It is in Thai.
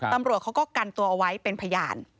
ตำรวจเขาก็กันตัวเอาไว้เป็นพยาน